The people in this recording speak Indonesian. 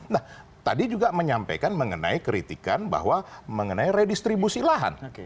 nah tadi juga menyampaikan mengenai kritikan bahwa mengenai redistribusi lahan